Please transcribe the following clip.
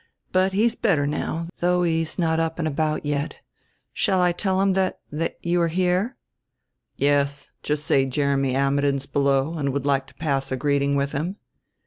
"But he's better now, though he's not up and about yet. Shall I tell him that that you are here?" "Yes. Just say Jeremy Ammidon's below, and would like to pass a greeting with him."